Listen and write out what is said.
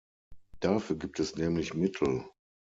Dafür gibt es nämlich Mittel.